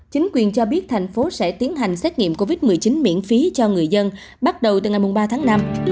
chính quyền cho biết thành phố sẽ tiến hành xét nghiệm covid một mươi chín miễn phí cho người dân bắt đầu từ ngày ba tháng năm